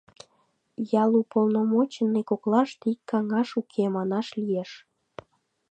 Ялуполномоченный коклаште ик каҥаш уке, манаш лиеш.